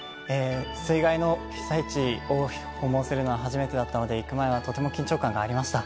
水害の被災地を訪問するのは初めてだったので、行く前はとても緊張感がありました。